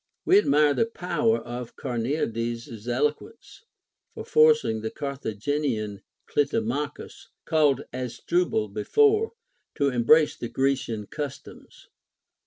\Ve admire the power of Carneades's elo quence, for forcing the Carthaginian Clitomachus, called Asdrubal before, to embrace the Grecian customs.